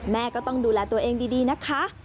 แม่ก็ต้องดูแลตัวเองดีนะคะ